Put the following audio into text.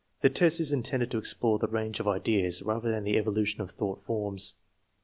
The test is in tended to explore the range of ideas rather than the evolu tion of thought forms.